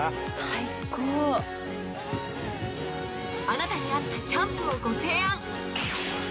あなたに合ったキャンプをご提案